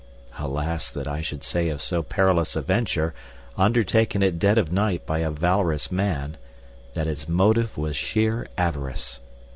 Alas that I should say of so perilous a venture, undertaken at dead of night by a valorous man, that its motive was sheer avarice!